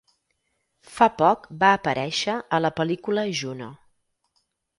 Fa poc va aparèixer a la pel·lícula "Juno".